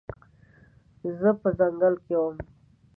زه په ځنګل کې وم